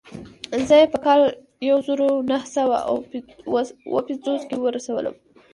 زه يې په کال يو زر و نهه سوه اووه پنځوس کې ورسولم.